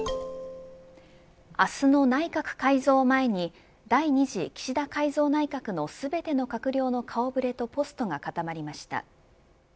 明日の内閣改造を前に第２次岸田改造内閣の全ての閣僚と顔触れをポストが固まりました。